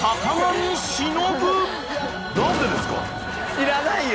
知らないよ。